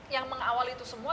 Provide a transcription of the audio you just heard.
yang mengawal itu semua